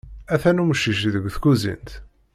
Atan umcic deg tkuzint.